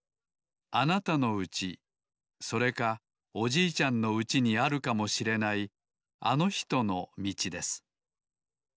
あなたのうちそれかおじいちゃんのうちにあるかもしれないあのひとのみちです